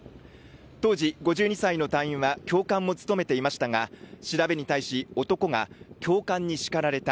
当時、５２歳の隊員は教官も務めていましたが調べに対し、男が教官に叱られた。